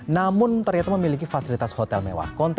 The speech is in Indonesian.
namun ternyata memiliki fasilitas hotel mewah